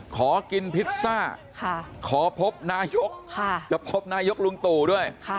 ขอกินพิซซ่าขอพบนายกจะพบนายกลุงตู่ด้วย